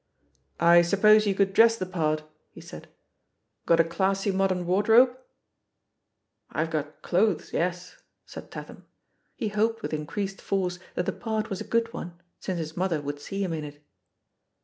T suppose you could dress the part/' he said 'got a classy modem wardrobe?" 'IVe got clothes, yes," said Tatham. He hoped with increased force that the part was a good one, since his mother would see him in it.